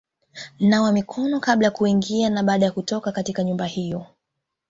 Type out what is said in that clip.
Nawa mikono kabla ya kuingia na baada ya kutoka katika nyumba hiyo;